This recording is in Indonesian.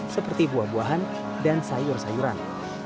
seperti buah buahan dan sayur sayuran